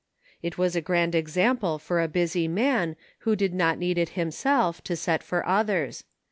It was a grand example for a busy man, who did not need it himself, to set for others.